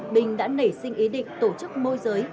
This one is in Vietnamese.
bình đã nảy sinh ý định tổ chức môi giới